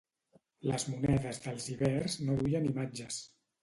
Les monedes dels ibers no duien imatges.